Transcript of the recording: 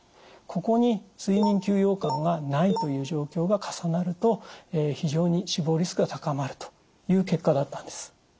ここに睡眠休養感がないという状況が重なると非常に死亡リスクが高まるという結果だったんです。